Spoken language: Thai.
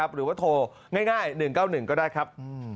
หรือว่าโทรง่าย๑๙๑ก็ได้ครับ